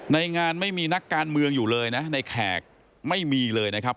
ในงานไม่มีนักการเมืองอยู่เลยนะในแขกไม่มีเลยนะครับ